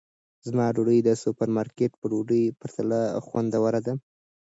زما ډوډۍ د سوپرمارکېټ په ډوډۍ پرتله خوندوره ده.